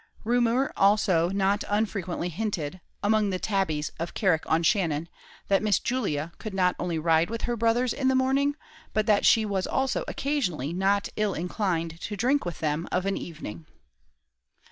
Rumour also not unfrequently hinted, among the tabbies of Carrick on Shannon, that Miss Julia could not only ride with her brothers in the morning, but that she was also occasionally not ill inclined to drink with them of an evening.